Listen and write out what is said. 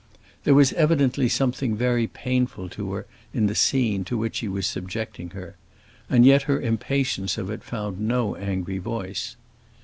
There was evidently something very painful to her in the scene to which he was subjecting her, and yet her impatience of it found no angry voice.